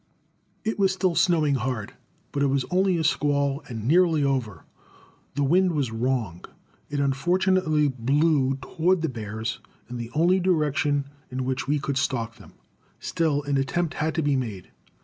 ] It was still snowing hard, but it was only a squall and nearly over. The wind was wrong; it unfortunately blew toward the bears and the only direction in which we could stalk them. Still an attempt had to be made.